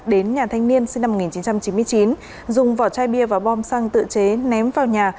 đến nhà thanh niên sinh năm một nghìn chín trăm chín mươi chín dùng vỏ chai bia và bom xăng tự chế ném vào nhà